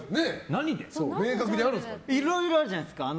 いろいろあるじゃないですか。